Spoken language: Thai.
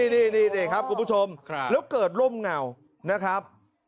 นี่ครับคุณผู้ชมแล้วเกิดร่มเงานะครับ